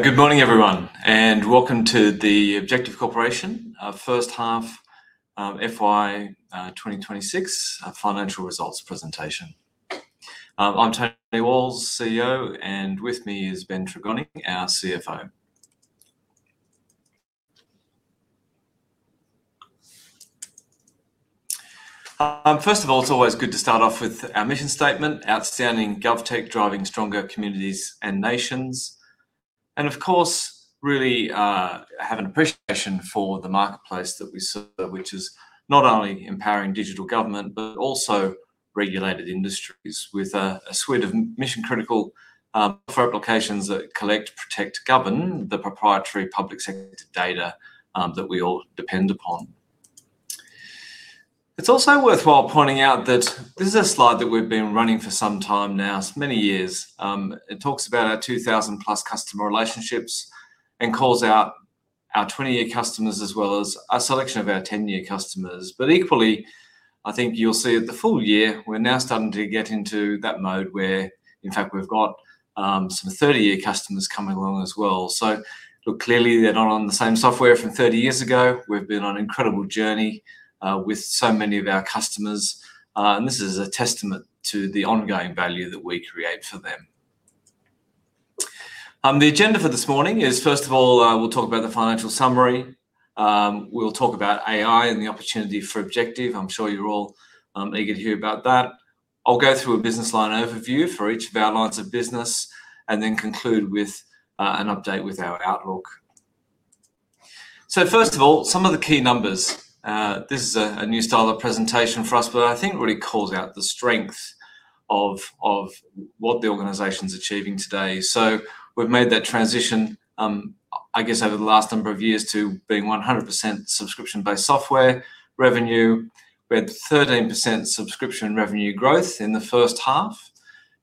Good morning, everyone, and welcome to the Objective Corporation, our first half of FY 2026 financial results presentation. I'm Tony Walls, CEO, and with me is Ben Tregoning, our CFO. First of all, it's always good to start off with our mission statement: outstanding GovTech driving stronger communities and nations. Of course, really, have an appreciation for the marketplace that we serve, which is not only empowering digital government, but also regulated industries with a suite of mission-critical applications that collect, protect, govern the proprietary public sector data that we all depend upon. It's also worthwhile pointing out that this is a slide that we've been running for some time now, many years. It talks about our 2,000-plus customer relationships and calls out our 20-year customers, as well as a selection of our 10-year customers. Equally, I think you'll see at the full year, we're now starting to get into that mode where, in fact, we've got some 30-year customers coming along as well. Look, clearly, they're not on the same software from 30 years ago. We've been on an incredible journey with so many of our customers, and this is a testament to the ongoing value that we create for them. The agenda for this morning is, first of all, we'll talk about the financial summary, we'll talk about AI and the opportunity for Objective. I'm sure you're all eager to hear about that. I'll go through a business line overview for each of our lines of business and then conclude with an update with our outlook. First of all, some of the key numbers. This is a new style of presentation for us, but I think it really calls out the strength of what the organization is achieving today. We've made that transition, I guess over the last number of years, to being 100% subscription-based software revenue, with 13% subscription revenue growth in the first half,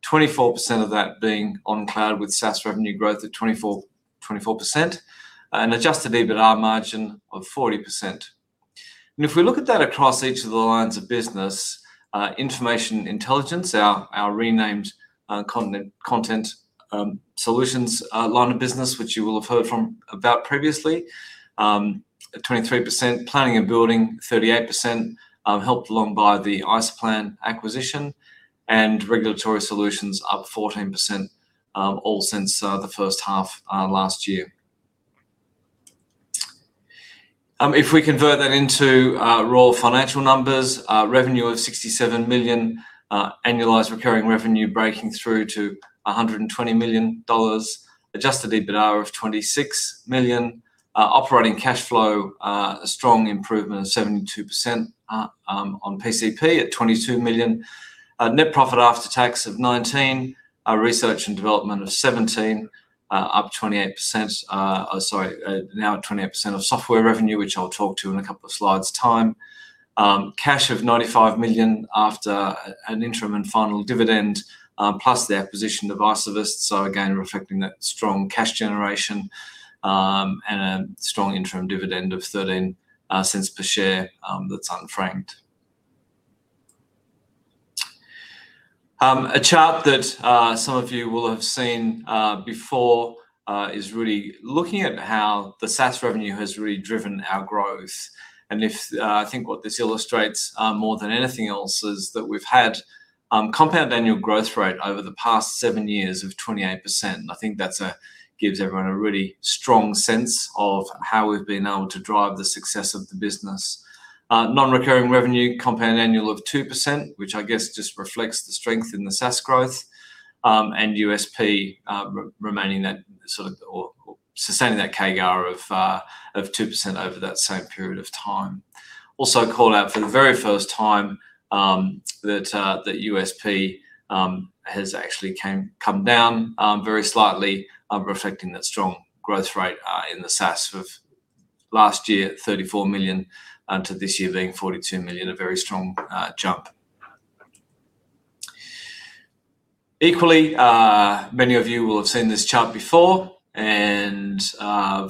24% of that being on cloud, with SaaS revenue growth at 24%, and adjusted EBITDA margin of 40%. If we look at that across each of the lines of business, Information Intelligence, our renamed content solutions line of business, which you will have heard from about previously, at 23%, Planning and Building, 38%, helped along by the IsoPlan acquisition, and Regulatory Solutions up 14%, all since the first half last year. If we convert that into raw financial numbers, revenue of $67 million, ARR breaking through to $120 million, adjusted EBITDA of $26 million, operating cash flow, a strong improvement of 72% on PCP at $22 million. Net profit after tax of $19 million, our R&D of $17 million, up 28%, sorry, now at 28% of software revenue, which I'll talk to in a couple of slides time. Cash of $95 million after an interim and final dividend, plus the acquisition of Isovist. Again, reflecting that strong cash generation, and a strong interim dividend of $0.13 per share, that's unfranked. A chart that some of you will have seen before is really looking at how the SaaS revenue has really driven our growth. I think what this illustrates more than anything else is that we've had compound annual growth rate over the past seven years of 28%. I think that's gives everyone a really strong sense of how we've been able to drive the success of the business. Non-recurring revenue, compound annual of 2%, which I guess just reflects the strength in the SaaS growth, and USP remaining that sort of, or sustaining that CAGR of 2% over that same period of time. Also called out for the very first time, that USP has actually come down very slightly, reflecting that strong growth rate in the SaaS of last year, 34 million, to this year being 42 million, a very strong jump. Equally, many of you will have seen this chart before, and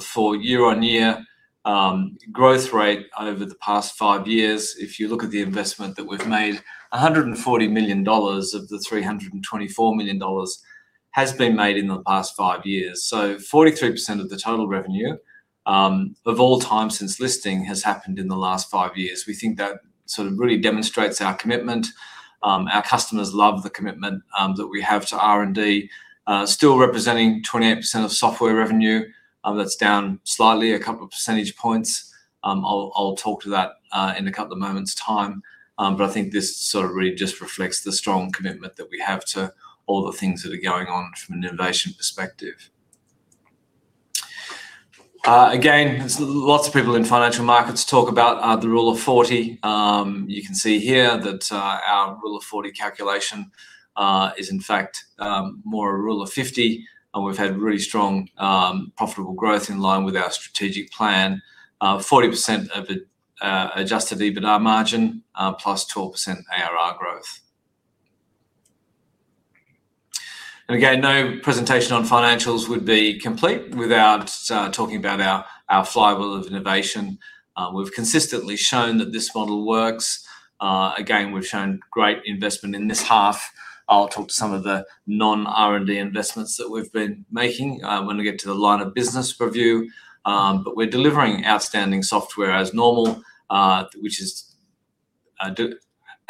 for year-on-year growth rate over the past five years, if you look at the investment that we've made, 140 million dollars of the 324 million dollars has been made in the past five years. 43% of the total revenue of all time since listing has happened in the last five years. We think that sort of really demonstrates our commitment. Our customers love the commitment that we have to R&D, still representing 28% of software revenue. That's down slightly, a couple of percentage points. I'll talk to that in a couple of moments' time. I think this sort of really just reflects the strong commitment that we have to all the things that are going on from an innovation perspective. Again, there's lots of people in financial markets talk about the Rule of 40. You can see here that our Rule of 40 calculation is in fact more a Rule of 50, and we've had really strong profitable growth in line with our strategic plan. 40% of the adjusted EBITDA margin plus 12% ARR growth. Again, no presentation on financials would be complete without talking about our flywheel of innovation. We've consistently shown that this model works. Again, we've shown great investment in this half. I'll talk to some of the non-R&D investments that we've been making when we get to the line of business review. We're delivering outstanding software as normal, which is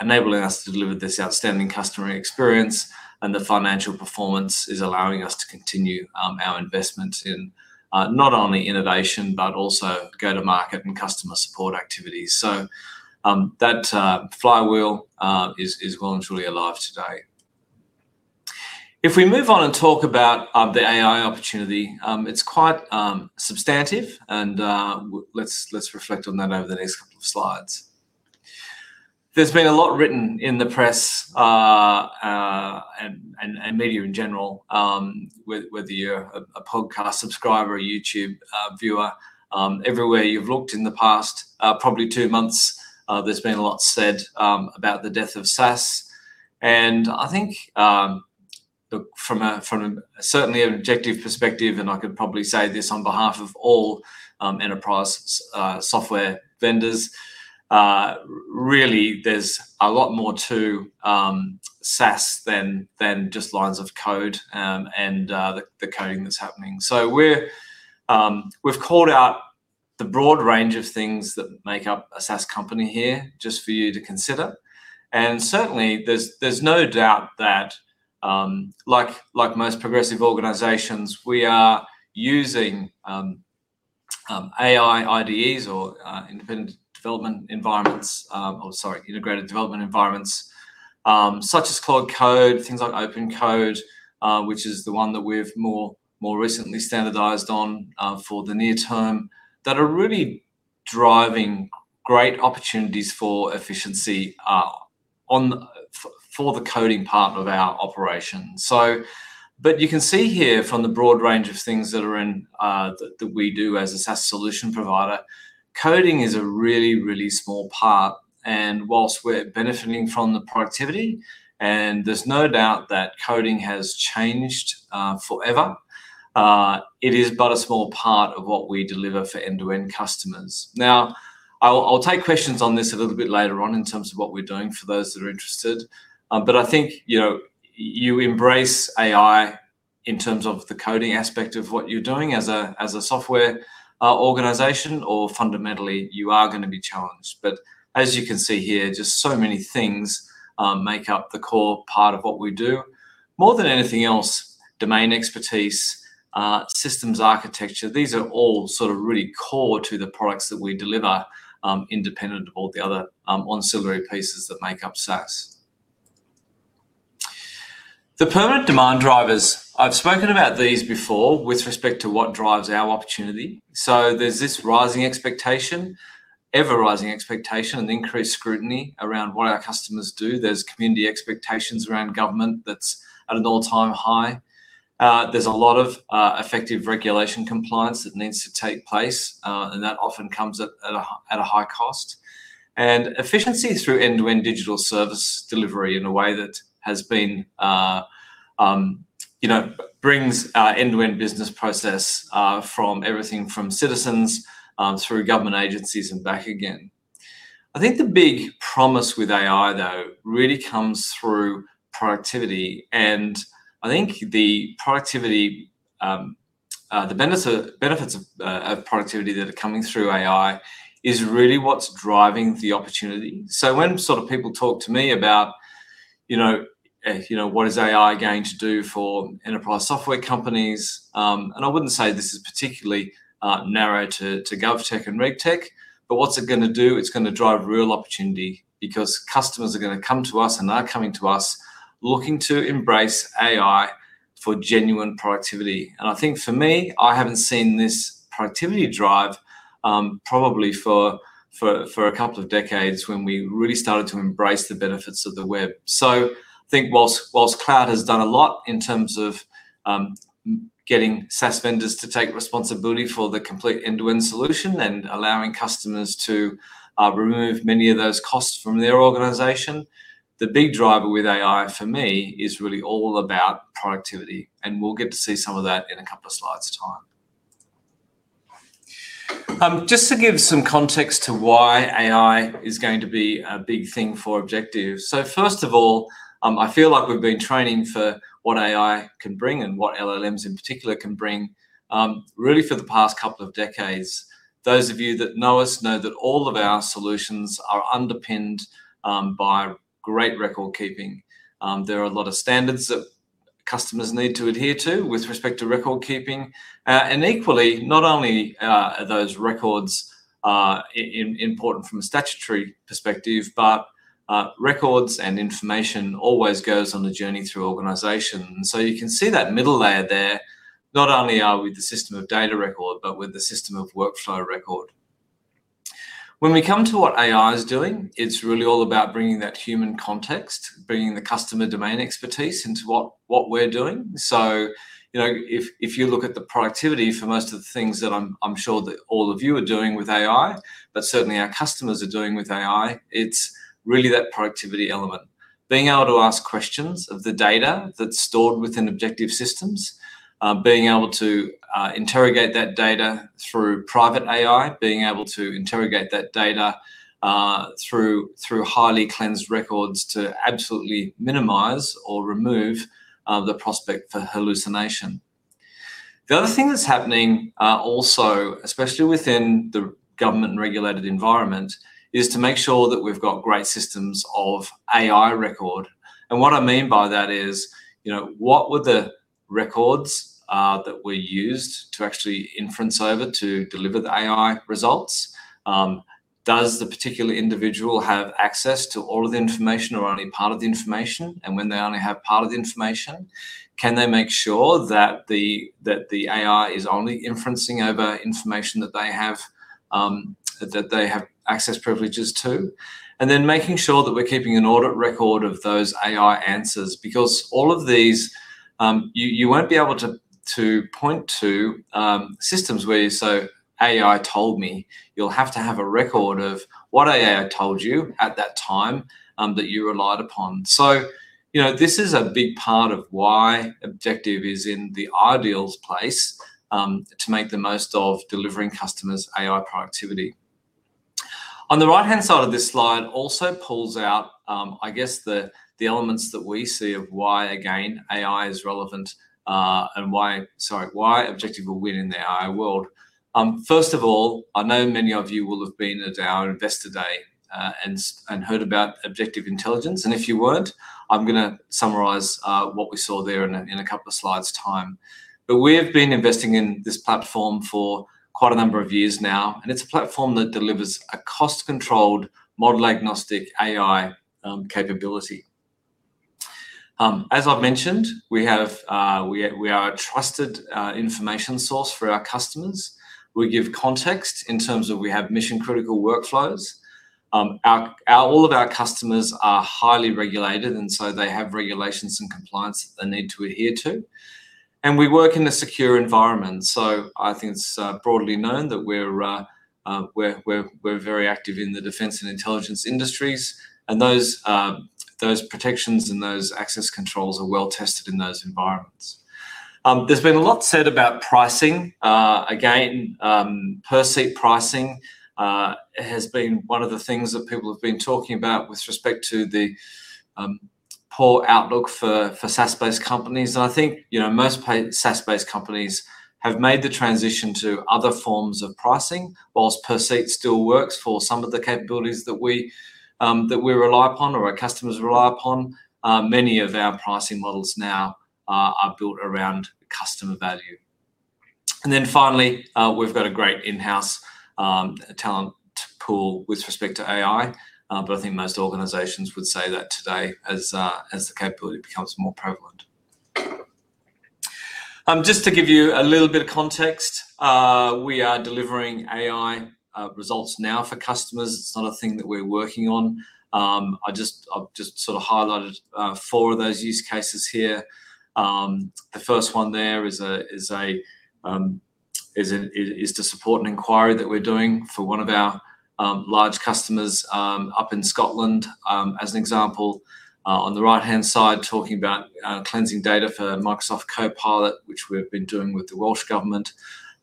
enabling us to deliver this outstanding customer experience, and the financial performance is allowing us to continue our investment in not only innovation, but also go-to-market and customer support activities. That flywheel is well and truly alive today. If we move on and talk about the AI opportunity, it's quite substantive, and let's reflect on that over the next couple of slides. There's been a lot written in the press, and media in general, whether you're a podcast subscriber or a YouTube viewer, everywhere you've looked in the past, probably two months, there's been a lot said about the death of SaaS. I think, look, from certainly an Objective perspective, and I could probably say this on behalf of all enterprise software vendors, really, there's a lot more to SaaS than just lines of code, and the coding that's happening. We've called out the broad range of things that make up a SaaS company here, just for you to consider. Certainly, there's no doubt that, like most progressive organizations, we are using AI IDEs or Integrated Development Environments, such as Cloud Code, things like Open Code, which is the one that we've more recently standardized on for the near term, that are really driving great opportunities for efficiency for the coding part of our operations. You can see here from the broad range of things that are in that we do as a SaaS solution provider, coding is a really small part, and whilst we're benefiting from the productivity, and there's no doubt that coding has changed forever, it is but a small part of what we deliver for end-to-end customers. I'll take questions on this a little bit later on in terms of what we're doing for those that are interested. I think, you know, you embrace AI in terms of the coding aspect of what you're doing as a software organization, or fundamentally, you are going to be challenged. As you can see here, just so many things make up the core part of what we do. More than anything else, domain expertise, systems architecture, these are all sort of really core to the products that we deliver, independent of all the other ancillary pieces that make up SaaS. The permanent demand drivers. I've spoken about these before with respect to what drives our opportunity. There's this rising expectation, ever-rising expectation and increased scrutiny around what our customers do. There's community expectations around government that's at an all-time high. There's a lot of effective regulation compliance that needs to take place, and that often comes at a high cost. And efficiency is through end-to-end digital service delivery in a way that has been, you know, brings our end-to-end business process from everything from citizens through government agencies and back again. I think the big promise with AI, though, really comes through productivity, and I think the productivity the benefits of productivity that are coming through AI is really what's driving the opportunity. When sort of people talk to me about, you know, what is AI going to do for enterprise software companies? I wouldn't say this is particularly narrow to GovTech and RegTech, but what's it going to do? It's going to drive real opportunity because customers are going to come to us, and they are coming to us, looking to embrace AI for genuine productivity. I think for me, I haven't seen this productivity drive probably for a couple of decades, when we really started to embrace the benefits of the web. I think whilst cloud has done a lot in terms of getting SaaS vendors to take responsibility for the complete end-to-end solution and allowing customers to remove many of those costs from their organization, the big driver with AI, for me, is really all about productivity, and we'll get to see some of that in a couple of slides' time. Just to give some context to why AI is going to be a big thing for Objective. First of all, I feel like we've been training for what AI can bring and what LLMs, in particular, can bring, really for the past couple of decades. Those of you that know us know that all of our solutions are underpinned by great record keeping. There are a lot of standards that customers need to adhere to with respect to record keeping. Equally, not only are those records important from a statutory perspective, but records and information always goes on the journey through organization. You can see that middle layer there, not only are we the system of data record, but we're the system of workflow record. When we come to what AI is doing, it's really all about bringing that human context, bringing the customer domain expertise into what we're doing. You know, if you look at the productivity for most of the things that I'm sure that all of you are doing with AI, but certainly our customers are doing with AI, it's really that productivity element. Being able to ask questions of the data that's stored within Objective systems, being able to interrogate that data through private AI, being able to interrogate that data through highly cleansed records to absolutely minimize or remove the prospect for hallucination. The other thing that's happening also, especially within the government-regulated environment, is to make sure that we've got great systems of AI record. What I mean by that is, you know, what were the records that were used to actually inference over to deliver the AI results? Does the particular individual have access to all of the information or only part of the information? When they only have part of the information, can they make sure that the AI is only inferencing over information that they have that they have access privileges to? Then making sure that we're keeping an audit record of those AI answers, because all of these, You won't be able to point to systems where you say, "AI told me," you'll have to have a record of what AI told you at that time that you relied upon. You know, this is a big part of why Objective is in the ideal place to make the most of delivering customers AI productivity. On the right-hand side of this slide also pulls out, I guess the elements that we see of why, again, AI is relevant, and why Objective will win in the AI world. First of all, I know many of you will have been at our Investor Day and heard about Objective Intelligence, and if you weren't, I'm gonna summarize what we saw there in a couple of slides' time. We have been investing in this platform for quite a number of years now, and it's a platform that delivers a cost-controlled, model-agnostic AI capability. As I've mentioned, we are a trusted information source for our customers. We give context in terms of we have mission-critical workflows. All of our customers are highly regulated. They have regulations and compliance that they need to adhere to. We work in a secure environment, so I think it's broadly known that we're very active in the defense and intelligence industries, and those protections and those access controls are well tested in those environments. There's been a lot said about pricing. Again, per-seat pricing has been one of the things that people have been talking about with respect to the poor outlook for SaaS-based companies. I think, you know, most SaaS-based companies have made the transition to other forms of pricing. Whilst per seat still works for some of the capabilities that we that we rely upon or our customers rely upon, many of our pricing models now are built around customer value. Finally, we've got a great in-house talent pool with respect to AI, but I think most organizations would say that today as as the capability becomes more prevalent. Just to give you a little bit of context, we are delivering AI results now for customers. It's not a thing that we're working on. I've just sort of highlighted 4 of those use cases here. The first one there is to support an inquiry that we're doing for one of our large customers up in Scotland as an example. On the right-hand side, talking about cleansing data for Microsoft Copilot, which we've been doing with the Welsh Government.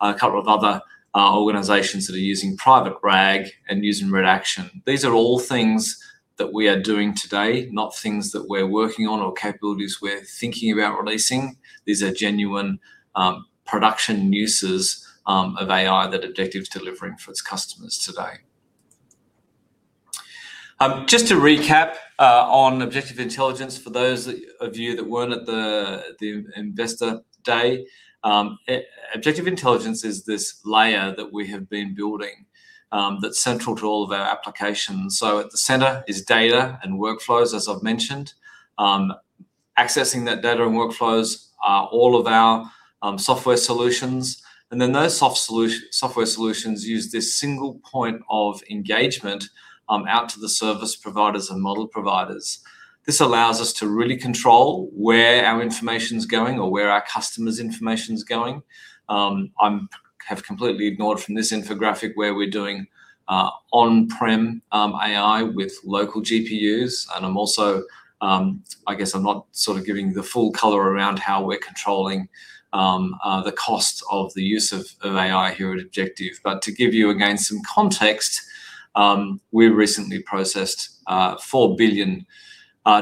A couple of other organizations that are using private RAG and using redaction. These are all things that we are doing today, not things that we're working on or capabilities we're thinking about releasing. These are genuine production uses of AI that Objective's delivering for its customers today. Just to recap on Objective Intelligence, for those of you that weren't at the Investor Day, Objective Intelligence is this layer that we have been building that's central to all of our applications. At the center is data and workflows, as I've mentioned. Accessing that data and workflows are all of our software solutions, those software solutions use this single point of engagement out to the service providers and model providers. This allows us to really control where our information's going or where our customer's information's going. I have completely ignored from this infographic where we're doing on-prem AI with local GPUs, I guess I'm not sort of giving the full color around how we're controlling the cost of the use of AI here at Objective. To give you, again, some context, we recently processed 4 billion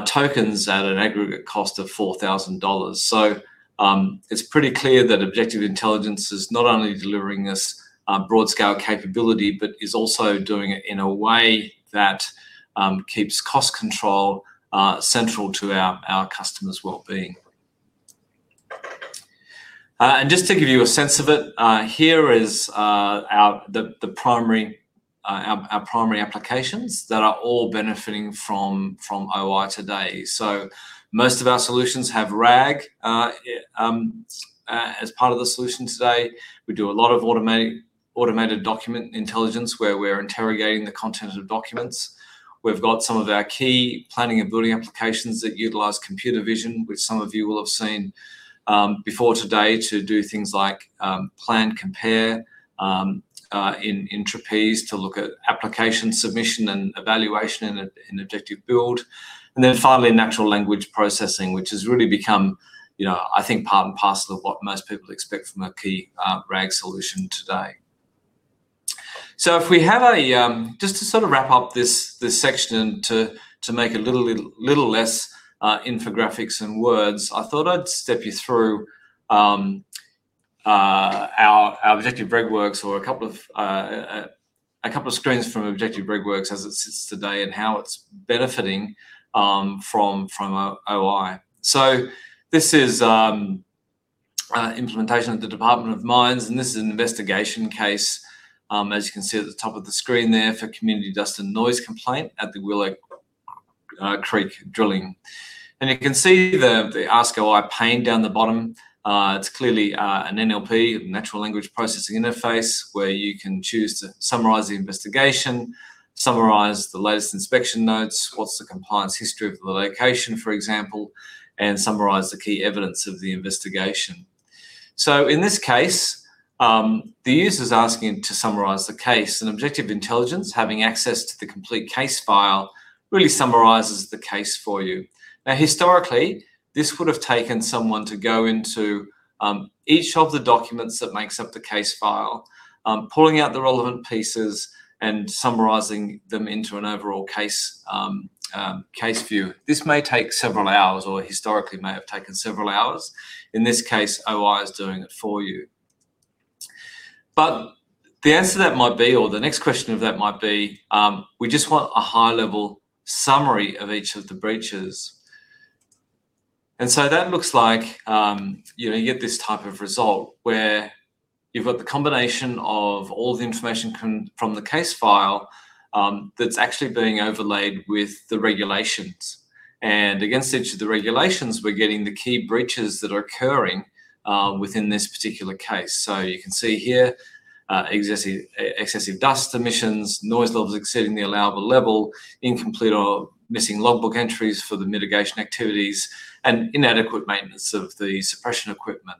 tokens at an aggregate cost of 4,000 dollars. It's pretty clear that Objective Intelligence is not only delivering this broad-scale capability, but is also doing it in a way that keeps cost control central to our customers' well-being. And just to give you a sense of it, here is our primary applications that are all benefiting from OI today. Most of our solutions have RAG as part of the solution today. We do a lot of automated document intelligence, where we're interrogating the content of documents. We've got some of our key Planning and Building applications that utilize computer vision, which some of you will have seen before today, to do things like plan compare in Trapeze to look at application submission and evaluation in Objective Build. Natural language processing, which has really become, you know, I think, part and parcel of what most people expect from a key RAG solution today. Just to sort of wrap up this section and to make it a little less infographics and words, I thought I'd step you through our Objective RegWorks or a couple of screens from Objective RegWorks as it sits today and how it's benefiting from OI. This is implementation at the Department of Mines, and this is an investigation case. As you can see at the top of the screen there for community dust and noise complaint at the Willow Creek drilling. You can see the Ask OI pane down the bottom. It's clearly an NLP, natural language processing interface, where you can choose to summarize the investigation, summarize the latest inspection notes, what's the compliance history of the location, for example, and summarize the key evidence of the investigation. In this case, the user is asking to summarize the case, and Objective Intelligence, having access to the complete case file, really summarizes the case for you. Now, historically, this would have taken someone to go into each of the documents that makes up the case file, pulling out the relevant pieces and summarizing them into an overall case view. This may take several hours, or historically may have taken several hours. In this case, OI is doing it for you. The answer to that might be, or the next question of that might be, we just want a high-level summary of each of the breaches. That looks like, you know, you get this type of result, where you've got the combination of all the information from the case file, that's actually being overlaid with the regulations. Against each of the regulations, we're getting the key breaches that are occurring within this particular case. You can see here, excessive dust emissions, noise levels exceeding the allowable level, incomplete or missing logbook entries for the mitigation activities, and inadequate maintenance of the suppression equipment.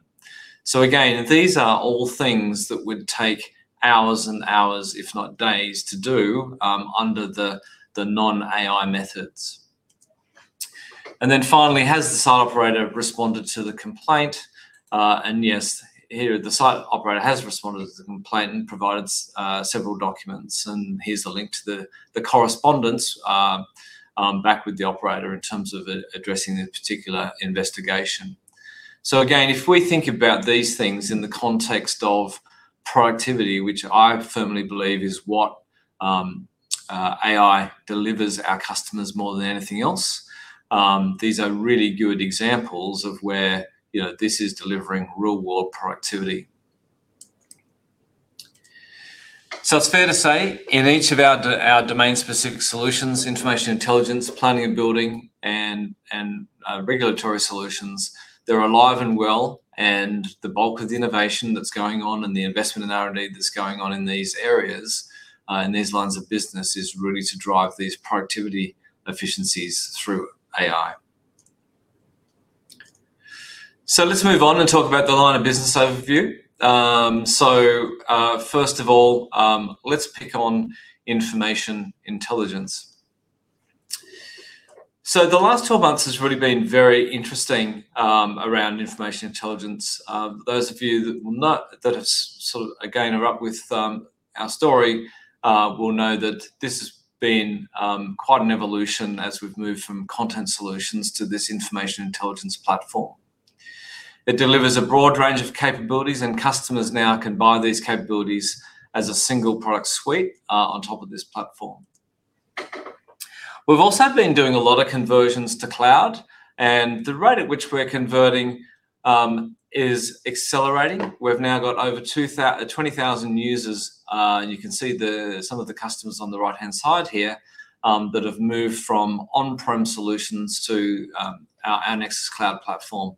Again, these are all things that would take hours and hours, if not days, to do under the non-AI methods. Finally, has the site operator responded to the complaint? Yes, here, the site operator has responded to the complaint and provided several documents, and here's the link to the correspondence back with the operator in terms of addressing the particular investigation. Again, if we think about these things in the context of productivity, which I firmly believe is what AI delivers our customers more than anything else, these are really good examples of where, you know, this is delivering real-world productivity. It's fair to say, in each of our domain-specific solutions, Information Intelligence, Planning and Building, and Regulatory Solutions, they're alive and well, and the bulk of the innovation that's going on and the investment in R&D that's going on in these areas, in these lines of business, is really to drive these productivity efficiencies through AI. Let's move on and talk about the line of business overview. First of all, let's pick on Information Intelligence. The last 12 months has really been very interesting around Information Intelligence. Those of you that are up with our story will know that this has been quite an evolution as we've moved from content solutions to this Information Intelligence platform. It delivers a broad range of capabilities, and customers now can buy these capabilities as a single product suite on top of this platform. We've also been doing a lot of conversions to cloud, and the rate at which we're converting is accelerating. We've now got over 20,000 users. You can see the, some of the customers on the right-hand side here, that have moved from on-prem solutions to our Nexus Cloud platform.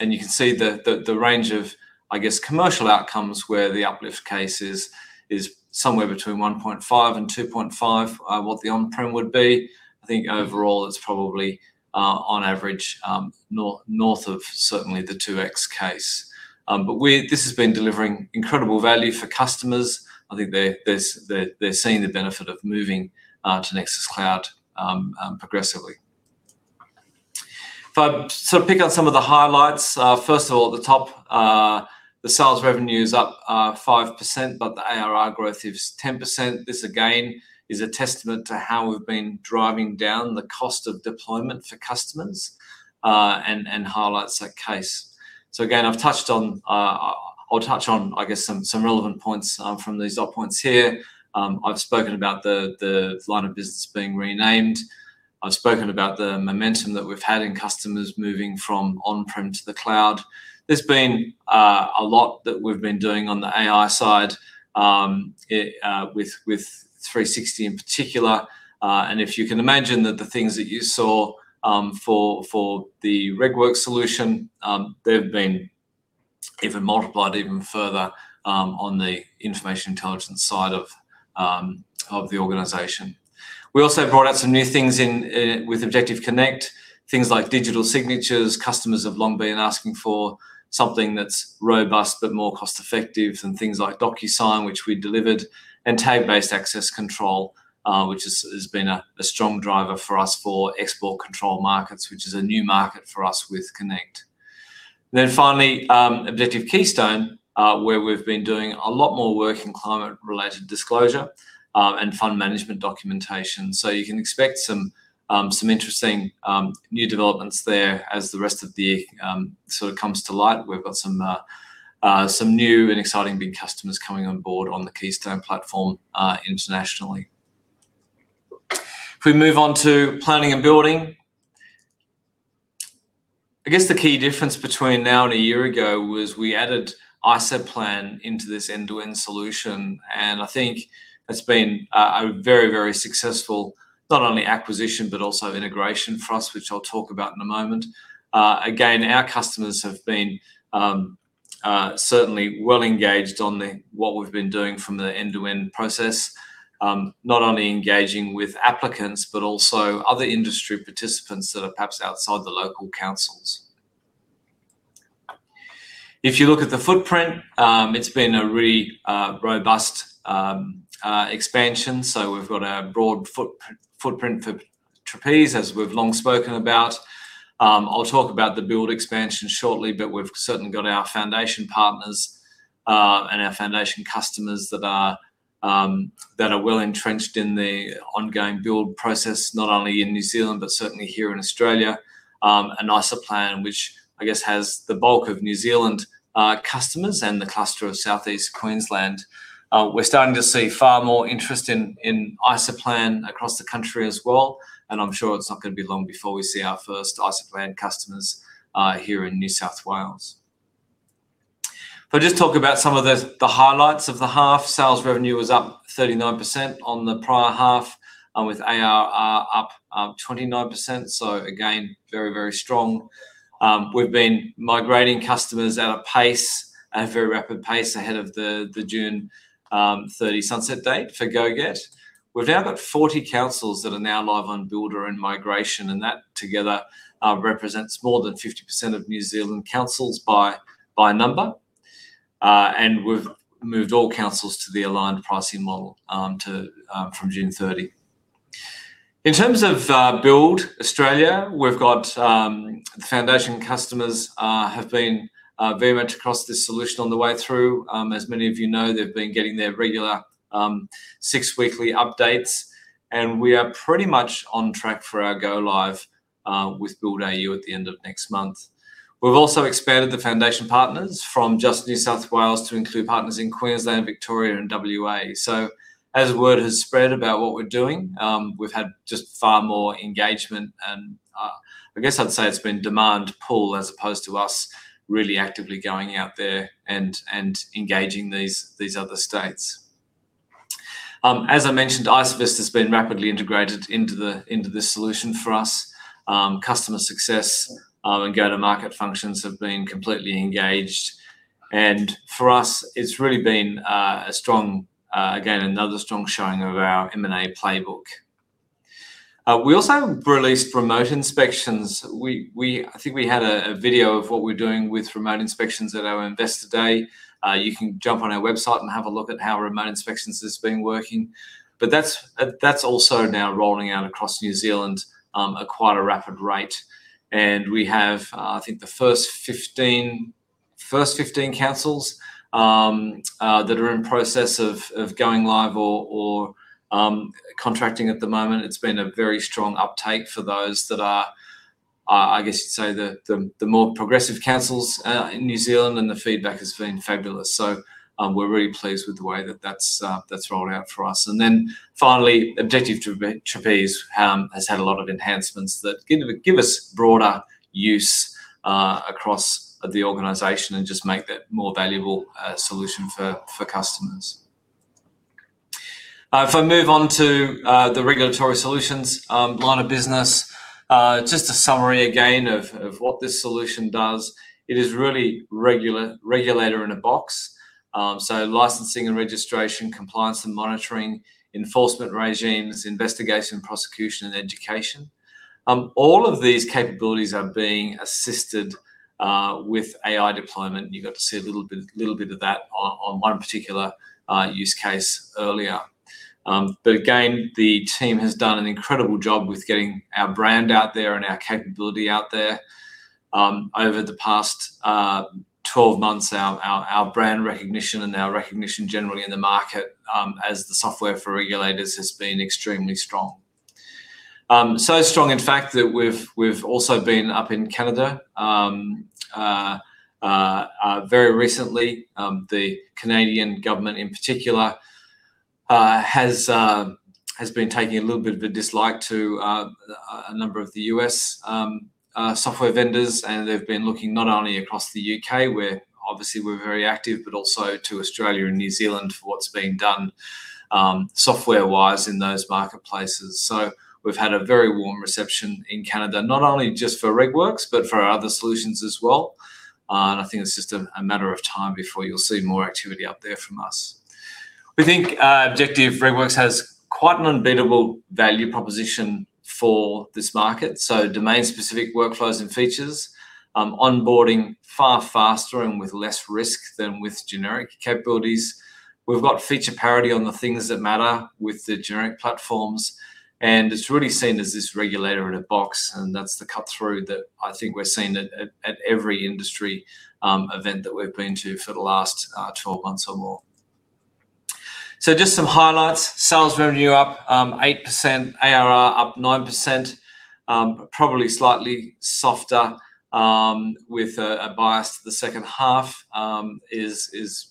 You can see the, the range of, I guess, commercial outcomes, where the uplift case is somewhere between 1.5 and 2.5, what the on-prem would be. I think overall, it's probably, on average, north of certainly the 2x case. This has been delivering incredible value for customers. I think they're seeing the benefit of moving to Nexus Cloud progressively. To pick out some of the highlights, first of all, the top, the sales revenue is up 5%, but the ARR growth is 10%. This, again, is a testament to how we've been driving down the cost of deployment for customers, and highlights that case. Again, I've touched on, I'll touch on, I guess, some relevant points from these dot points here. I've spoken about the line of business being renamed. I've spoken about the momentum that we've had in customers moving from on-prem to the cloud. There's been a lot that we've been doing on the AI side. It, with 3Sixty in particular, and if you can imagine that the things that you saw for the RegWorks solution, they've been even multiplied even further on the Information Intelligence side of the organization. We also brought out some new things in with Objective Connect, things like digital signatures. Customers have long been asking for something that's robust, but more cost-effective, than things like DocuSign, which we delivered, and tag-based access control, which has been a strong driver for us for export control markets, which is a new market for us with Connect. Finally, Objective Keystone, where we've been doing a lot more work in climate-related disclosure, and fund management documentation. You can expect some interesting new developments there as the rest of the sort of comes to light. We've got some new and exciting big customers coming on board on the Keystone platform, internationally. If we move on to Planning and Building, I guess the key difference between now and a year ago was we added IsoPlan into this end-to-end solution. I think that's been a very, very successful, not only acquisition, but also integration for us, which I'll talk about in a moment. Again, our customers have been certainly well engaged on the what we've been doing from the end-to-end process. Not only engaging with applicants, but also other industry participants that are perhaps outside the local councils. If you look at the footprint, it's been a really robust expansion. We've got a broad footprint for Trapeze, as we've long spoken about. I'll talk about the Build expansion shortly, but we've certainly got our foundation partners, and our foundation customers that are well entrenched in the ongoing Build process, not only in New Zealand, but certainly here in Australia. IsoPlan, which I guess has the bulk of New Zealand, customers and the cluster of Southeast Queensland. We're starting to see far more interest in IsoPlan across the country as well, and I'm sure it's not going to be long before we see our first IsoPlan customers, here in New South Wales. If I just talk about some of the highlights of the half, sales revenue was up 39% on the prior half, with ARR up, 29%, very, very strong. We've been migrating customers at a pace, at a very rapid pace ahead of the June 30 sunset date for GoGet. We've now got 40 councils that are now live on Builder and Migration, and that together represents more than 50% of New Zealand councils by number. We've moved all councils to the aligned pricing model from June 30. In terms of Build Australia, we've got the foundation customers have been very much across this solution on the way through. As many of you know, they've been getting their regular 6 weekly updates, and we are pretty much on track for our go-live with Build AU at the end of next month. We've also expanded the foundation partners from just New South Wales to include partners in Queensland, Victoria, and WA. As word has spread about what we're doing, we've had just far more engagement, and I guess I'd say it's been demand pull, as opposed to us really actively going out there and engaging these other states. As I mentioned, Isovist has been rapidly integrated into this solution for us. Customer success, and go-to-market functions have been completely engaged, and for us, it's really been a strong, again, another strong showing of our M&A playbook. We also released remote inspections. I think we had a video of what we're doing with remote inspections at our Investor Day. You can jump on our website and have a look at how remote inspections has been working, but that's also now rolling out across New Zealand at quite a rapid rate. We have, I think, the first 15 councils that are in process of going live or contracting at the moment. It's been a very strong uptake for those that are, I guess you'd say the more progressive councils in New Zealand, the feedback has been fabulous. We're really pleased with the way that that's rolled out for us. Finally, Objective Trapeze has had a lot of enhancements that give us broader use across the organization and just make that a more valuable solution for customers. If I move on to the Regulatory Solutions line of business, just a summary again of what this solution does. It is really regulator in a box. Licensing and registration, compliance and monitoring, enforcement regimes, investigation, prosecution, and education. All of these capabilities are being assisted with AI deployment. You got to see a little bit of that on one particular use case earlier. Again, the team has done an incredible job with getting our brand out there and our capability out there. Over the past 12 months, our brand recognition and our recognition generally in the market, as the software for regulators has been extremely strong. Strong, in fact, that we've also been up in Canada very recently. The Canadian government, in particular... has been taking a little bit of a dislike to a number of the U.S. software vendors, and they've been looking not only across the U.K., where obviously we're very active, but also to Australia and New Zealand for what's being done software-wise in those marketplaces. We've had a very warm reception in Canada, not only just for RegWorks, but for our other solutions as well. I think it's just a matter of time before you'll see more activity up there from us. We think Objective RegWorks has quite an unbeatable value proposition for this market, so domain-specific workflows and features, onboarding far faster and with less risk than with generic capabilities. We've got feature parity on the things that matter with the generic platforms. It's really seen as this regulator-in-a-box. That's the cut-through that I think we're seeing at every industry event that we've been to for the last 12 months or more. Just some highlights. Sales revenue up 8%, ARR up 9%, probably slightly softer with a bias to the second half is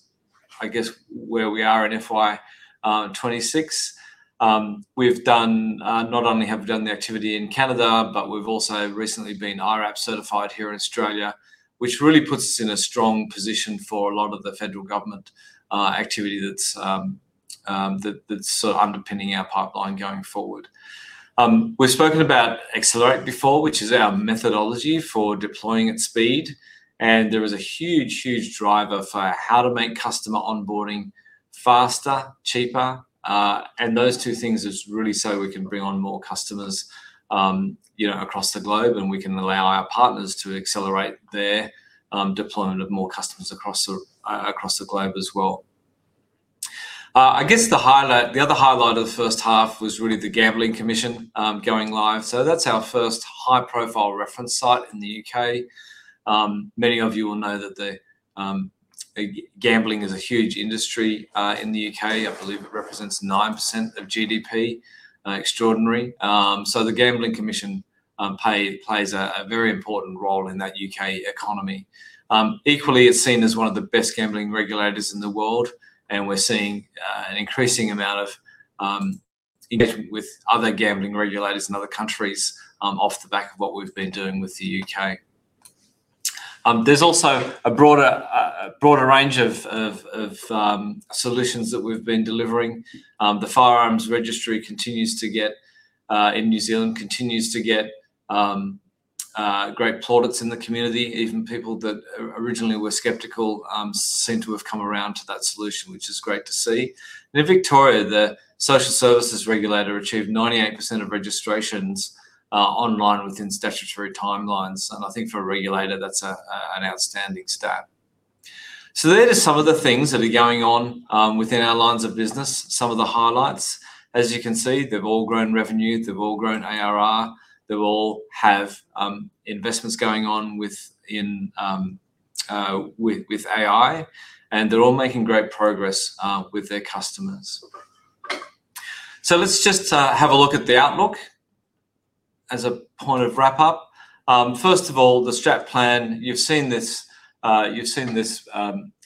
I guess where we are in FY26. Not only have we done the activity in Canada, but we've also recently been IRAP certified here in Australia, which really puts us in a strong position for a lot of the federal government activity that's underpinning our pipeline going forward. We've spoken about Accelerate before, which is our methodology for deploying at speed, there is a huge driver for how to make customer onboarding faster, cheaper. Those two things is really so we can bring on more customers, you know, across the globe, and we can allow our partners to accelerate their deployment of more customers across the globe as well. I guess the other highlight of the first half was really the Gambling Commission going live. That's our first high-profile reference site in the U.K. Many of you will know that the gambling is a huge industry in the U.K. I believe it represents 9% of GDP. Extraordinary. The Gambling Commission plays a very important role in that U.K. economy. Equally, it's seen as one of the best gambling regulators in the world, we're seeing an increasing amount of engagement with other gambling regulators in other countries off the back of what we've been doing with the UK. There's also a broader range of solutions that we've been delivering. The Firearms Registry continues to get in New Zealand, continues to get great plaudits in the community. Even people that originally were skeptical seem to have come around to that solution, which is great to see. In Victoria, the Social Services Regulator achieved 98% of registrations online within statutory timelines, and I think for a regulator, that's an outstanding stat. They are just some of the things that are going on within our lines of business, some of the highlights. As you can see, they've all grown revenue, they've all grown ARR, they all have investments going on with AI, and they're all making great progress with their customers. Let's just have a look at the outlook as a point of wrap-up. First of all, the strat plan. You've seen this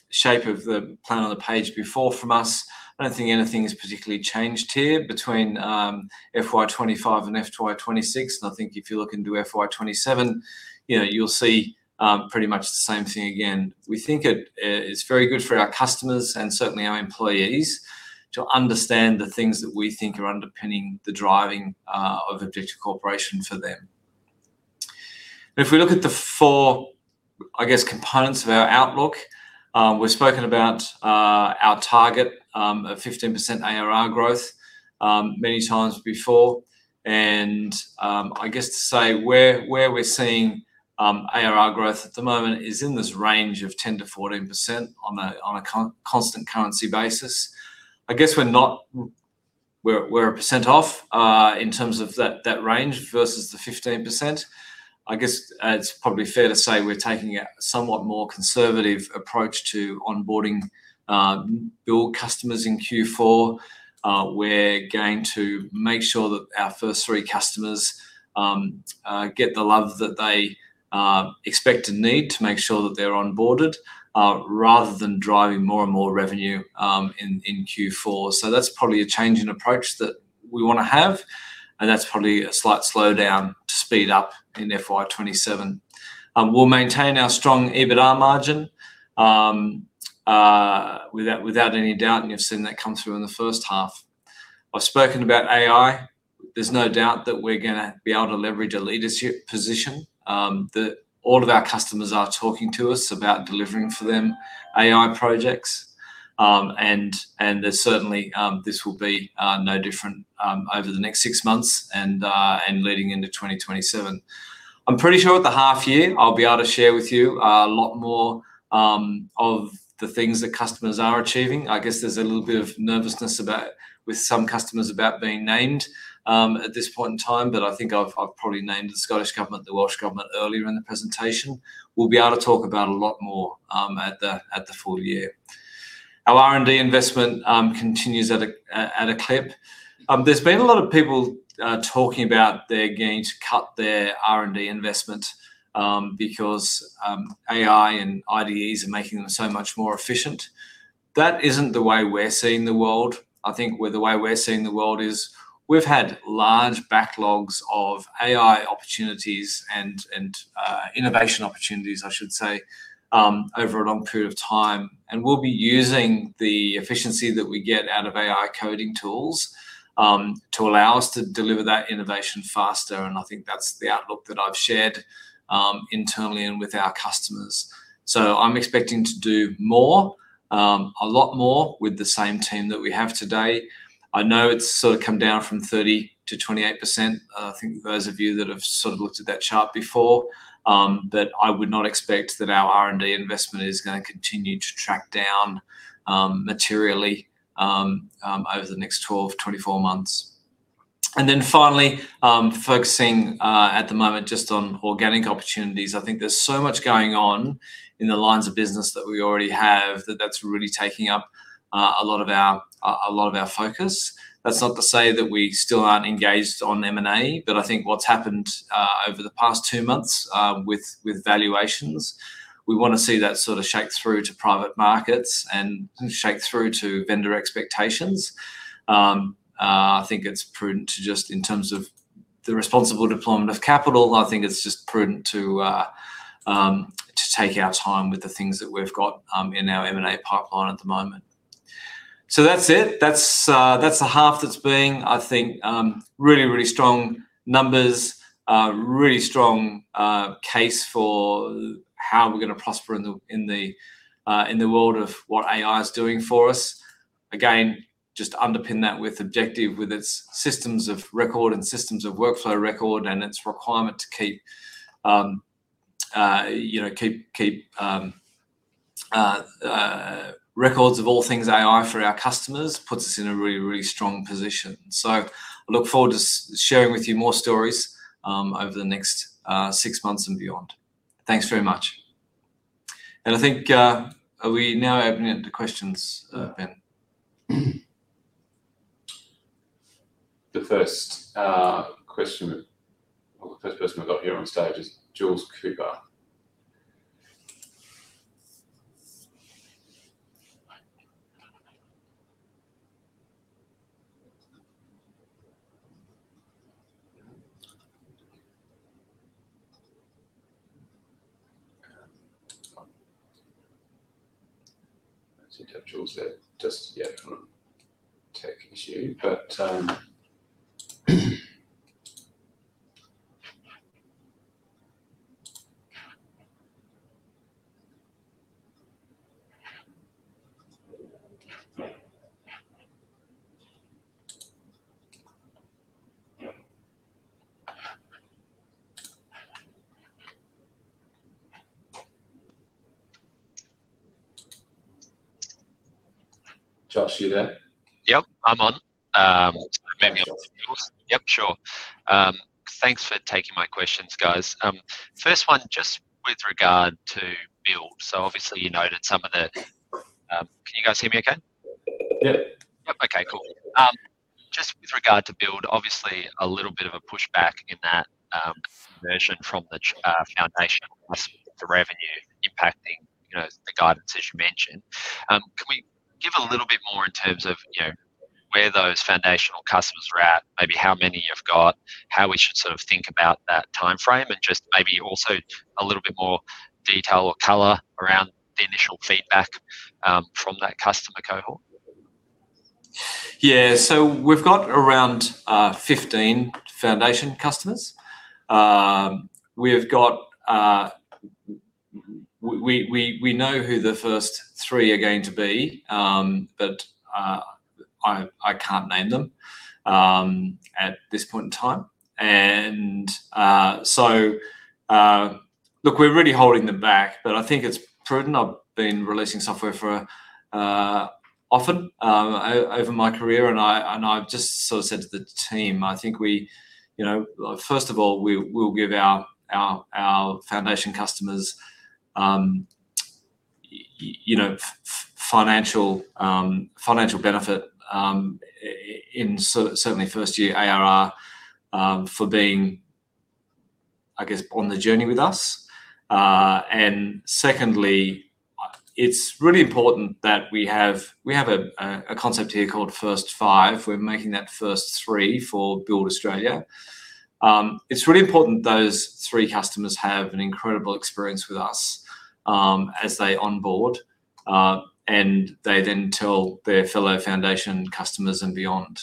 shape of the plan on the page before from us. I don't think anything has particularly changed here between FY 25 and FY 26, and I think if you look into FY 27, you know, you'll see pretty much the same thing again. We think it is very good for our customers and certainly our employees, to understand the things that we think are underpinning the driving of Objective Corporation for them. If we look at the four, I guess, components of our outlook, we've spoken about our target of 15% ARR growth many times before, and I guess to say where we're seeing ARR growth at the moment is in this range of 10%-14% on a constant currency basis. I guess we're a percent off in terms of that range versus the 15%. I guess it's probably fair to say we're taking a somewhat more conservative approach to onboarding new customers in Q4. We're going to make sure that our first three customers get the love that they expect and need to make sure that they're onboarded, rather than driving more and more revenue in Q4. That's probably a change in approach that we wanna have, and that's probably a slight slowdown to speed up in FY27. We'll maintain our strong EBITDA margin without any doubt, and you've seen that come through in the first half. I've spoken about AI. There's no doubt that we're gonna be able to leverage a leadership position that all of our customers are talking to us about delivering for them AI projects. Certainly, this will be no different over the next six months and leading into 2027. I'm pretty sure at the half year, I'll be able to share with you a lot more of the things that customers are achieving. I guess there's a little bit of nervousness with some customers about being named at this point in time, but I think I've probably named the Scottish Government, the Welsh Government, earlier in the presentation. We'll be able to talk about a lot more at the full year. Our R&D investment continues at a clip. There's been a lot of people talking about they're going to cut their R&D investment because AI and IDEs are making them so much more efficient. That isn't the way we're seeing the world. I think where the way we're seeing the world is we've had large backlogs of AI opportunities and innovation opportunities, I should say, over a long period of time. We'll be using the efficiency that we get out of AI coding tools to allow us to deliver that innovation faster, and I think that's the outlook that I've shared internally and with our customers. I'm expecting to do more, a lot more with the same team that we have today. I know it's sort of come down from 30%-28%. I think those of you that have sort of looked at that chart before, that I would not expect that our R&D investment is gonna continue to track down materially over the next 12-24 months. Finally, focusing at the moment, just on organic opportunities. I think there's so much going on in the lines of business that we already have, that's really taking up a lot of our focus. That's not to say that we still aren't engaged on M&A. I think what's happened over the past 2 months, with valuations, we wanna see that sort of shake through to private markets and shake through to vendor expectations. I think it's prudent in terms of the responsible deployment of capital, I think it's just prudent to take our time with the things that we've got in our M&A pipeline at the moment. That's it. That's the half that's been, I think, really, really strong numbers. A really strong case for how we're gonna prosper in the world of what AI is doing for us. Again, just to underpin that with Objective, with its systems of record and systems of workflow record, and its requirement to keep, you know, keep records of all things AI for our customers, puts us in a really strong position. I look forward to sharing with you more stories over the next six months and beyond. Thanks very much. I think, are we now opening up to questions, Ben? The first question, or the first person I've got here on stage is Jules Cooper. I think I have Jules there. Just, yeah, tech issue, but Jules, you there? Yep, I'm on. maybe on. Yep, sure. Thanks for taking my questions, guys. First one, just with regard to Build. Obviously, you noted some of the. Can you guys hear me okay? Yeah. Yep. Okay, cool. Just with regard to Build, obviously, a little bit of a pushback in that version from the foundation versus the revenue impacting, you know, the guidance as you mentioned. Can we give a little bit more in terms of, you know, where those foundational customers are at, maybe how many you've got, how we should sort of think about that timeframe, and just maybe also a little bit more detail or color around the initial feedback from that customer cohort? We've got around 15 foundation customers. We've got, we know who the first 3 are going to be, I can't name them at this point in time. We're really holding them back, but I think it's prudent. I've been releasing software for often over my career, and I've just sort of said to the team, I think we, you know, first of all, we'll give our foundation customers, you know, financial benefit certainly first year ARR for being, I guess, on the journey with us. Secondly, it's really important that we have a concept here called First Five. We're making that first 3 for Build Australia. It's really important those three customers have an incredible experience with us, as they onboard, and they then tell their fellow foundation customers and beyond.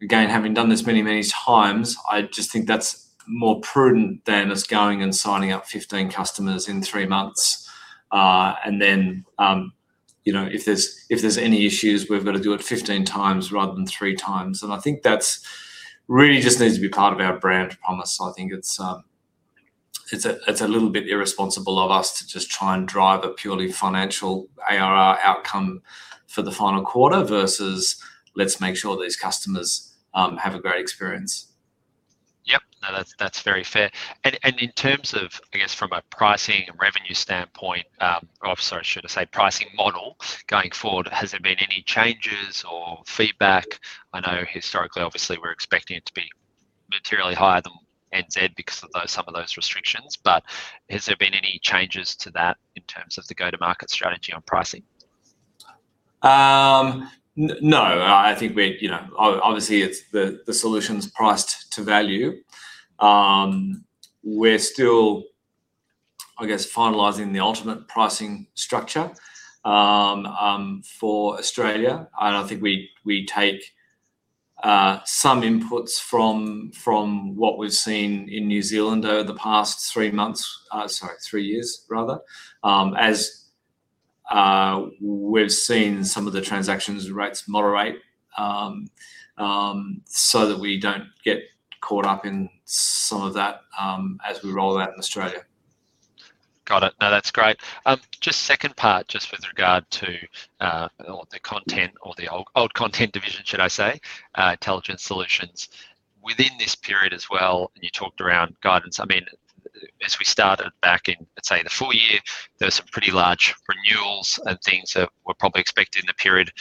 Again, having done this many, many times, I just think that's more prudent than us going and signing up 15 customers in three months, and then, you know, if there's any issues, we've got to do it 15 times rather than three times. I think that's really just needs to be part of our brand promise. I think it's a little bit irresponsible of us to just try and drive a purely financial ARR outcome for the final quarter versus, "Let's make sure these customers have a great experience. Yep. No, that's very fair. In terms of, I guess, from a pricing and revenue standpoint, or sorry, I should say pricing model going forward, has there been any changes or feedback? I know historically, obviously, we're expecting it to be materially higher than NZ because of those, some of those restrictions. Has there been any changes to that in terms of the go-to-market strategy on pricing? No. I think we're, you know, obviously, it's the solution's priced to value. We're still, I guess, finalizing the ultimate pricing structure for Australia. I think we take some inputs from what we've seen in New Zealand over the past three months, sorry, three years rather, as we've seen some of the transactions rates moderate, so that we don't get caught up in some of that, as we roll out in Australia. Got it. No, that's great. just second part, just with regard to, the content or the old content division, should I say, Intelligence Solutions. Within this period as well, you talked around guidance. I mean, as we started back in, let's say, the full year, there were some pretty large renewals and things that were probably expected in the period.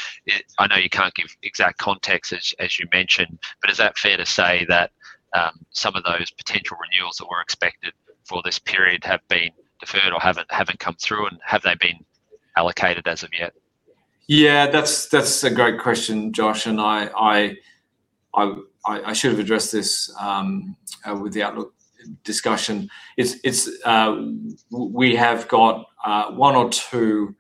I know you can't give exact context, as you mentioned, but is that fair to say that, some of those potential renewals that were expected for this period have been deferred or haven't come through? Have they been allocated as of yet? Yeah, that's a great question, Jules. I should have addressed this with the outlook discussion. It's we have got one or two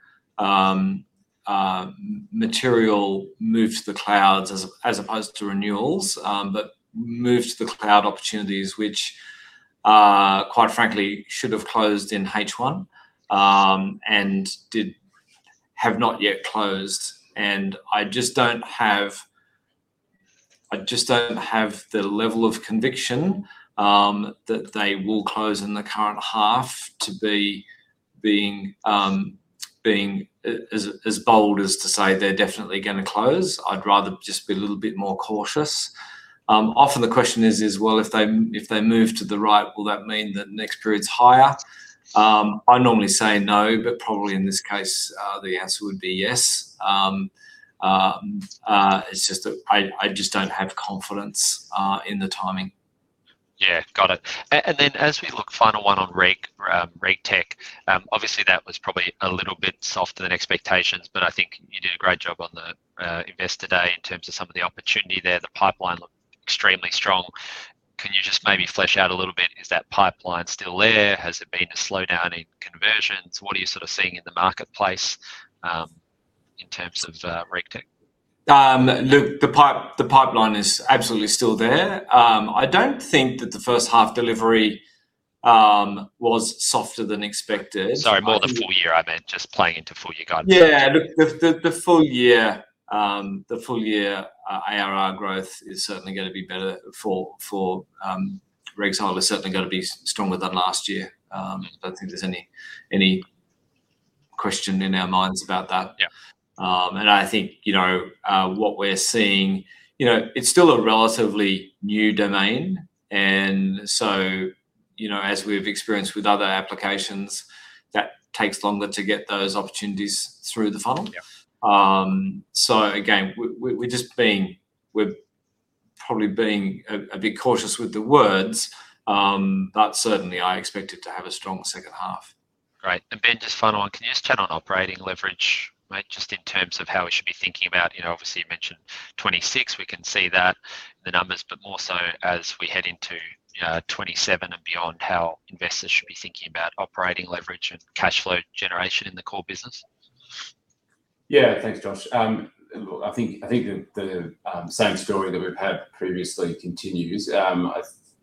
material move to the clouds as opposed to renewals, but move to the cloud opportunities, which quite frankly, should have closed in H1, have not yet closed. I just don't have the level of conviction that they will close in the current half to be being as bold as to say they're definitely gonna close. I'd rather just be a little bit more cautious. Often the question is, well, if they move to the right, will that mean that next period's higher? I normally say no, but probably in this case, the answer would be yes. It's just that I just don't have confidence in the timing. Yeah, got it. As we look, final one on Reg, RegTech, obviously that was probably a little bit softer than expectations, but I think you did a great job on the investor day in terms of some of the opportunity there. The pipeline looked extremely strong. Can you just maybe flesh out a little bit, is that pipeline still there? Has there been a slowdown in conversions? What are you sort of seeing in the marketplace, in terms of RegTech? Look, the pipeline is absolutely still there. I don't think that the first half delivery was softer than expected. Sorry, more the full year, I meant, just playing into full year guidance. The full year ARR growth is certainly gonna be better for Regulatory, certainly gonna be stronger than last year. I don't think there's any question in our minds about that. Yeah. I think, you know, what we're seeing, you know, it's still a relatively new domain, and so, you know, as we've experienced with other applications, that takes longer to get those opportunities through the funnel. Yeah. Again, we're just being, we're probably being a bit cautious with the words, but certainly, I expect it to have a strong second half. Great. Ben, just final one. Can you just chat on operating leverage, right, just in terms of how we should be thinking about, you know, obviously, you mentioned 26, we can see that, the numbers, but more so as we head into 27 and beyond, how investors should be thinking about operating leverage and cash flow generation in the core business? Yeah, thanks, Jules. Look, the same story that we've had previously continues.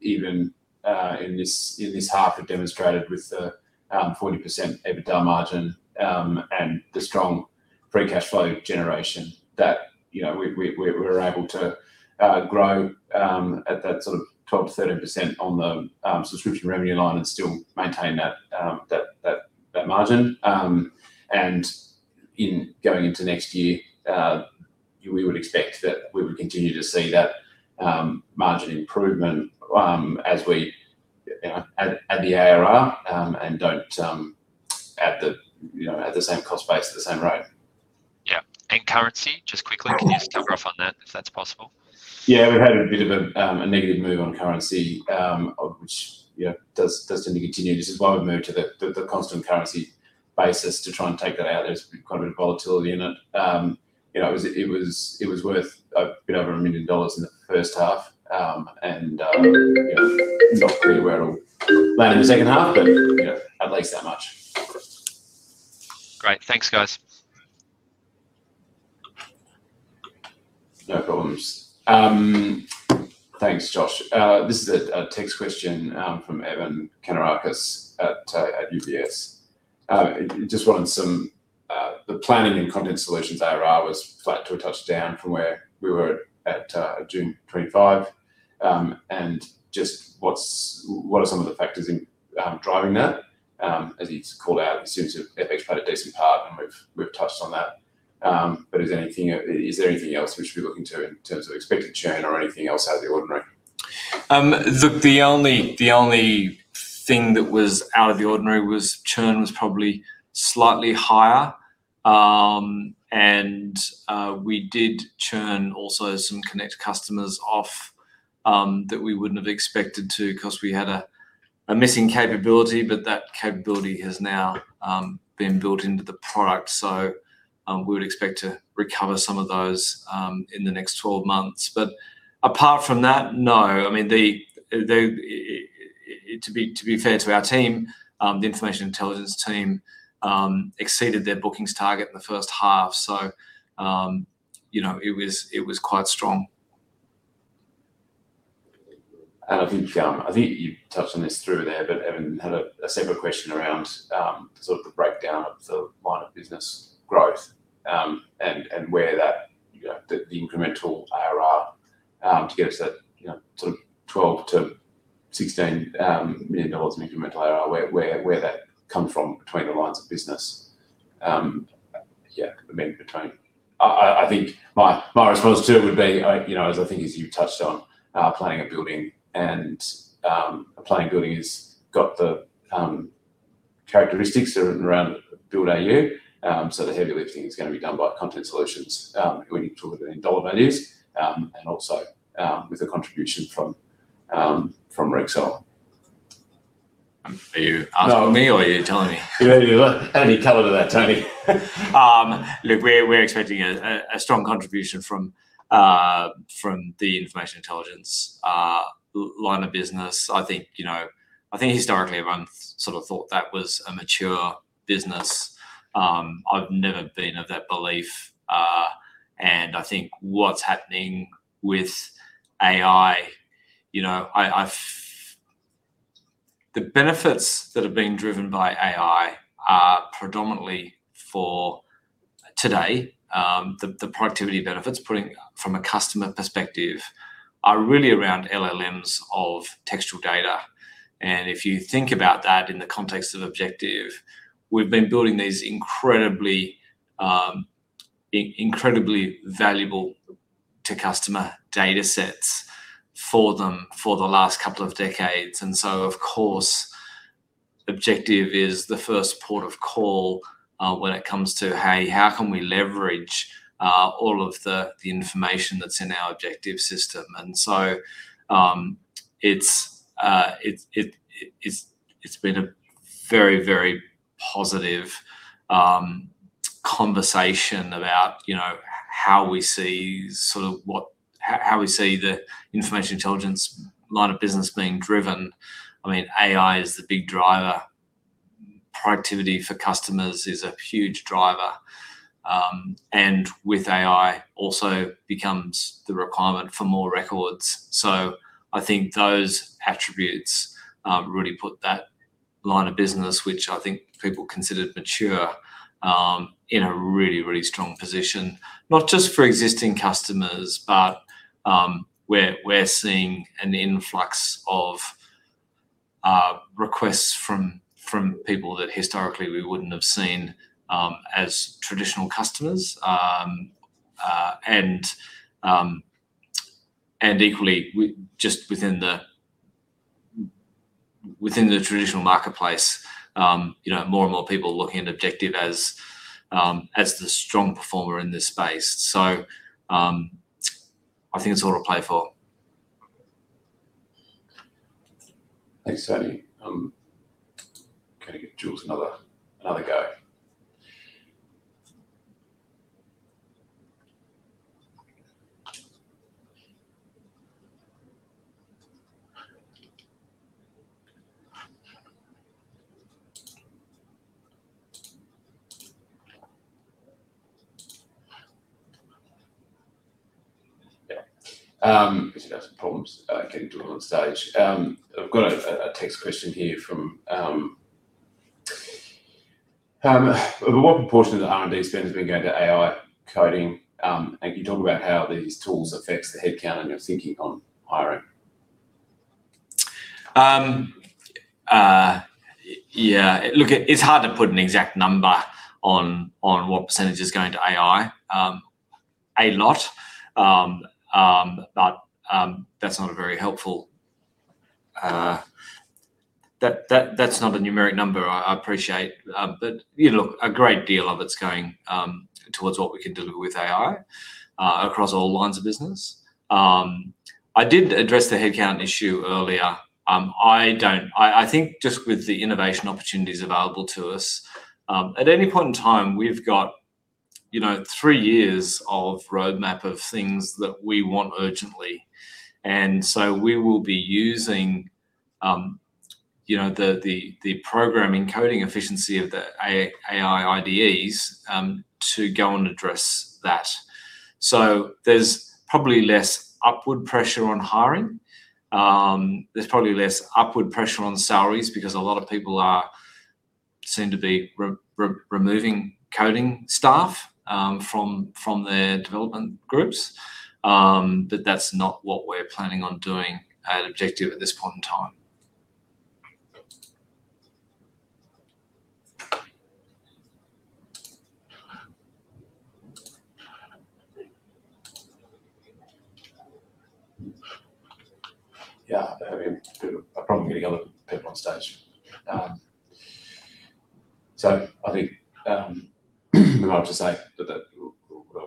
Even in this half, we've demonstrated with the 40% EBITDA margin and the strong free cash flow generation, that, you know, we're able to grow at that sort of 12%-13% on the subscription revenue line and still maintain that margin. In going into next year, we would expect that we would continue to see that margin improvement as we, you know, add the ARR and don't add the, you know, add the same cost base at the same rate. Yeah. Currency, just quickly- Oh, yeah. Can you just touch off on that, if that's possible? Yeah, we've had a bit of a negative move on currency, which, yeah, does seem to continue. This is why we've moved to the constant currency basis to try and take that out. There's been quite a bit of volatility in it. You know, it was worth a bit over 1 million dollars in the first half, and not really aware it'll land in the second half, but, you know, at least that much. Great. Thanks, guys. No problems. Thanks, Jules. This is a text question from Evan Karatzas at UBS. He just wanted some, the Planning and Content Solutions ARR was flat to a touchdown from where we were at, June 2025. What are some of the factors in driving that? As he's called out, it seems to FX played a decent part, and we've touched on that. Is there anything, is there anything else we should be looking to in terms of expected churn or anything else out of the ordinary? The only thing that was out of the ordinary was churn was probably slightly higher. We did churn also some Connect customers off that we wouldn't have expected to 'cause we had a missing capability, but that capability has now been built into the product. We would expect to recover some of those in the next 12 months. Apart from that, no. I mean, to be fair to our team, the Information Intelligence team exceeded their bookings target in the first half, you know, it was quite strong. I think, I think you touched on this through there, but Evan had a similar question around sort of the breakdown of the line of business growth, and where that, you know, the incremental ARR, to get us that, you know, sort of 12 million-16 million in incremental ARR, where that come from between the lines of business. Yeah, maybe between. I, I think my response to it would be, I, you know, as I think as you've touched on, Planning and Building and, Planning and Building has got the characteristics around Build AU, so the heavy lifting is gonna be done by Content Solutions, when you talk in dollar values, and also, with the contribution from Regulatory. Are you answering? No or are you telling me? Only color to that, Tony. Look, we're expecting a strong contribution from the Information Intelligence line of business. I think, you know, I think historically everyone sort of thought that was a mature business. I've never been of that belief, and I think what's happening with AI, you know, the benefits that have been driven by AI are predominantly for today, the productivity benefits, putting from a customer perspective, are really around LLMs of textual data. If you think about that in the context of Objective, we've been building these incredibly valuable to customer data sets for them for the last couple of decades. Of course, Objective is the first port of call, when it comes to, "Hey, how can we leverage, all of the information that's in our Objective system?" It's been a very, very positive conversation about, you know, how we see sort of how we see the Information Intelligence line of business being driven. I mean, AI is the big driver. Productivity for customers is a huge driver, and with AI also becomes the requirement for more records. I think those attributes really put that line of business, which I think people considered mature, in a really, really strong position. Not just for existing customers, but we're seeing an influx of requests from people that historically we wouldn't have seen as traditional customers. Equally, just within the traditional marketplace, you know, more and more people are looking at Objective as the strong performer in this space. I think it's all to play for. Thanks, Tony. gonna give Jules another go. Yeah, we've had some problems getting Jules on stage. I've got a text question here from... What proportion of the R&D spend has been going to AI coding? Can you talk about how these tools affects the headcount and your thinking on hiring? Yeah. Look, it's hard to put an exact number on what percentage is going to AI. A lot, but that's not a very helpful. That's not a numeric number, I appreciate. You know, a great deal of it's going towards what we can deliver with AI across all lines of business. I did address the headcount issue earlier. I think just with the innovation opportunities available to us, at any point in time, we've got, you know, three years of roadmap of things that we want urgently, and so we will be using, you know, the programming coding efficiency of the AI IDEs to go and address that. There's probably less upward pressure on hiring. There's probably less upward pressure on salaries because a lot of people are seem to be removing coding staff, from their development groups. That's not what we're planning on doing at Objective at this point in time. Yeah, having a bit of a problem getting other people on stage. I think we might have to say that we'll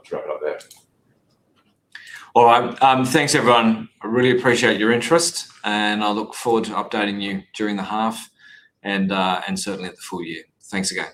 throw it up there. All right. Thanks, everyone. I really appreciate your interest, and I look forward to updating you during the half, and certainly at the full year. Thanks again.